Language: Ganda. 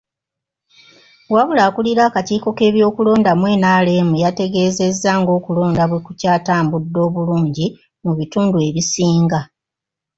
Wabula akulira akakiiko k'ebyokulonda mu NRM yategeezezza ng'okulonda bwe kukyatambudde obulungi mu bitundu ebisinga.